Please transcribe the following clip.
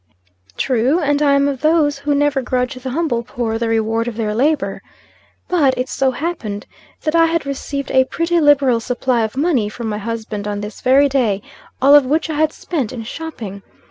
True; and I am of those who never grudge the humble poor the reward of their labor. But, it so happened that I had received a pretty liberal supply of money from my husband on this very day, all of which I had spent in shopping.